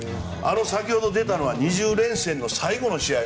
先ほど出たのは２０連戦の最後の試合。